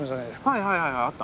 はいはいはいあった。